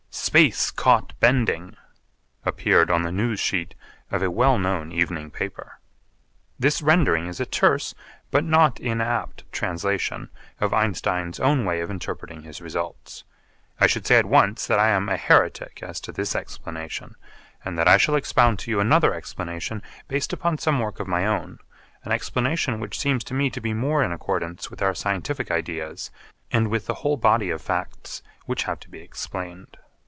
'Space caught bending' appeared on the news sheet of a well known evening paper. This rendering is a terse but not inapt translation of Einstein's own way of interpreting his results. I should say at once that I am a heretic as to this explanation and that I shall expound to you another explanation based upon some work of my own, an explanation which seems to me to be more in accordance with our scientific ideas and with the whole body of facts which have to be explained.